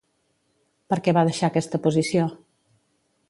Per què va deixar aquesta posició?